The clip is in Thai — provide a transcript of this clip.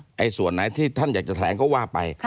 ส่วนไหนที่ท่านอยากจะแถลงก็ว่าไป